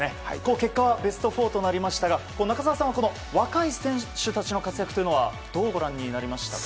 結果はベスト４となりましたが中澤さんは若い選手たちの活躍はどうご覧になりましたか。